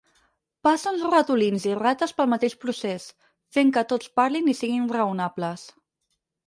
Passa uns ratolins i rates pel mateix procés, fent que tots parlin i siguin raonables.